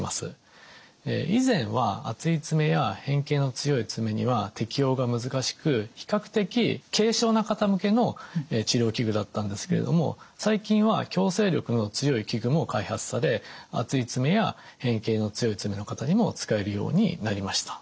以前は厚い爪や変形の強い爪には適用が難しく比較的軽症な方向けの治療器具だったんですけれども最近は矯正力の強い器具も開発され厚い爪や変形の強い爪の方にも使えるようになりました。